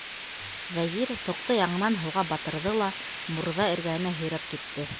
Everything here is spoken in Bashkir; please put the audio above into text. Вәзир тоҡто яңынан һыуға батырҙы ла мурҙа эргәһенә һөйрәп китте.